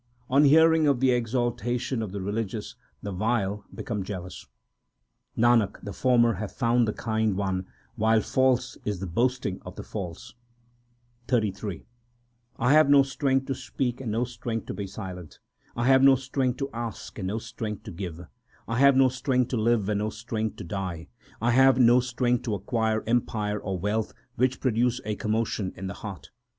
On hearing of the exaltation of the religious the vile become jealous. 3 Nanak, the former have found the Kind One, while false is the boasting of the false. XXXIII I have no strength to speak and no strength to be silent. 4 I have no strength to ask and no strength to give ; I have no strength to live, and no strength to die ; I have no strength to acquire empire or wealth which produce a commotion in the heart.